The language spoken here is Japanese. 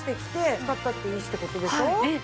使ったっていいしって事でしょ。